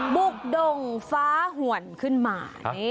บุกดงฟ้าห่วนขึ้นมา